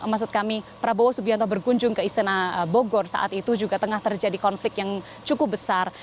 maksud kami prabowo subianto berkunjung ke istana bogor saat itu juga tengah terjadi konflik yang cukup besar